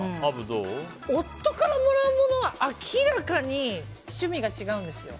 夫からもらうものは明らかに趣味が違うんですよ。